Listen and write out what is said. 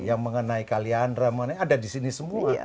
yang mengenai kaliandra mengenai ada di sini semua